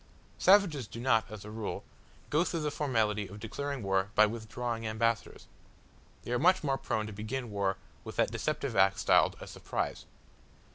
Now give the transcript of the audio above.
Savages do not, as a rule, go through the formality of declaring war by withdrawing ambassadors. They are much more prone to begin war with that deceptive act styled "a surprise."